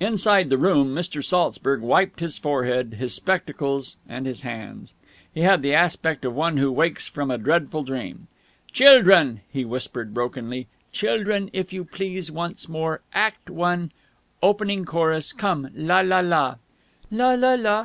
Inside the room, Mr. Saltzburg wiped his forehead, his spectacles, and his hands. He had the aspect of one who wakes from a dreadful dream. "Childrun!" he whispered brokenly. "Childrun! If you please, once more. Act One, Opening Chorus. Come! La la la!" "La la la!"